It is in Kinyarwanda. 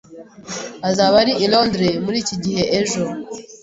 Azaba ari i Londres muri iki gihe ejo